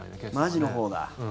マジのほうだ。